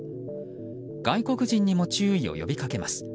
外国人にも注意を呼びかけます。